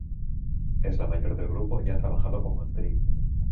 Es la mayor el grupo y ha trabajado como actriz.